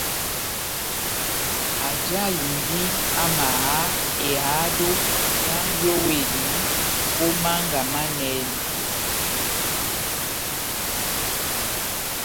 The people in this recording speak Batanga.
Ajahindi amaha ehádo yá nʼyówedi ó mánga manɛnɛ.